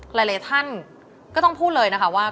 หลายท่านก็ต้องพูดเลยนะคะว่า